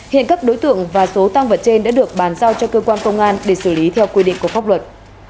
hiện các đối tượng và số tăng vật trên đã được bàn giao cho cơ quan công an để xử lý theo quy định của pháp luật